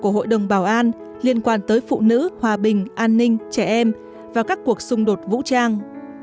của hội đồng bảo an liên quan tới phụ nữ hòa bình an ninh trẻ em và các cuộc xung đột vũ trang